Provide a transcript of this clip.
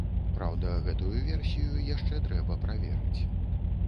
Праўда, гэтую версію яшчэ трэба праверыць.